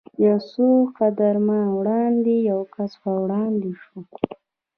یو څو قدمه وړاندې یو کس ور وړاندې شو.